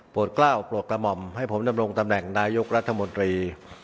กล้าวโปรดกระหม่อมให้ผมดำรงตำแหน่งนายกรัฐมนตรี